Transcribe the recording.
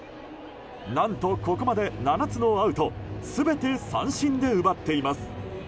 何とここまで、７つのアウト全て三振で奪っています。